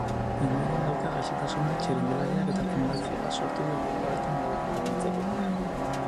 Inguruan dauka gaixotasuna txirrindulariak eta fundazio bat sortu du egoera horretan daudenei laguntzeko.